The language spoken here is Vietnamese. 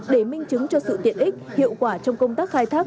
để minh chứng cho sự tiện ích hiệu quả trong công tác khai thác